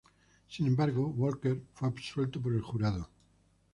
Sin embargo, Walker fue absuelto por el jurado.